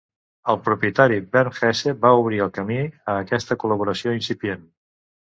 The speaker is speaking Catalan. El propietari Bernd Hesse va obrir el camí a aquesta col·laboració incipient.